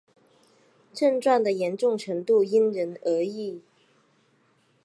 症状的严重程度因人而异。